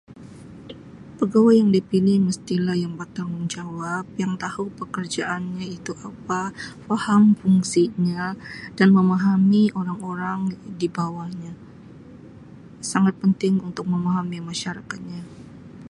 Pegawai yang dipilih mestilah pegawai yang bertanggungjawab, yang tahu pekerjaannya itu apa, paham fungsinya dan memahami orang-orang di bawahnya, sangat penting untuk memahami masyarakatnya.